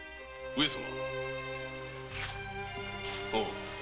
上様